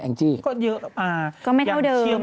แองจี้ก็เยอะแล้วป่าวก็ไม่เท่าเดิม